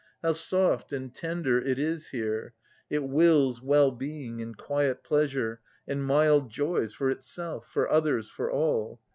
How soft and tender it is here! It wills well‐ being, and quiet pleasure, and mild joys for itself, for others, for all.